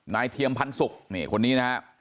นายเทียมพันธ์ศุกร์เนี่ยคนนี้นะครับ